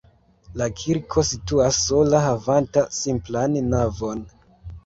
La kirko situas sola havanta simplan navon.